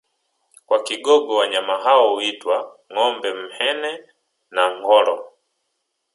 Kwa Kigogo wanyama hao huitwa ngombe mhene na ngholo